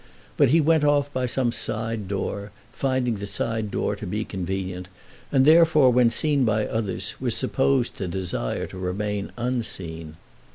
But he went off by some side door, finding the side door to be convenient, and therefore when seen by others was supposed to desire to remain unseen.